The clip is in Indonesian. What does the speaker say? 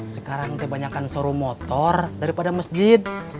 sekarang nanti banyakan showroom motor daripada masjid